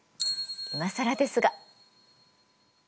いまさらですが。